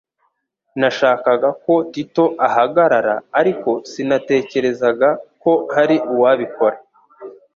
Nashakaga ko Tito ahagarara, ariko sinatekerezaga ko hari uwabikora.